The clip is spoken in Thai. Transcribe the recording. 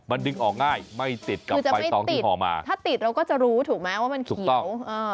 มันดึงออกง่ายไม่ติดกับใบตองที่ห่อมาถ้าติดเราก็จะรู้ถูกไหมว่ามันเขียว